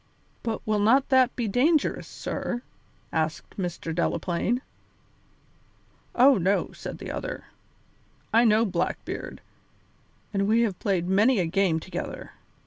"But will not that be dangerous, sir?" asked Mr. Delaplaine. "Oh, no," said the other. "I know Blackbeard, and we have played many a game together.